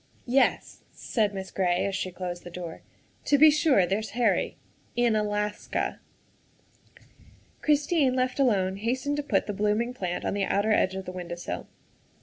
86 THE WIFE OF " Yes," said Miss Gray as she closed the door, " to be sure, there's Harry in Alaska." Christine, left alone, hastened to put the blooming plant on the outer edge of the window sill.